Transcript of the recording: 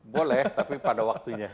boleh tapi pada waktunya